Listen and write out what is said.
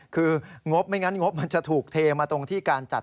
คืองบไม่งั้นงบมันจะถูกเทมาตรงที่การจัด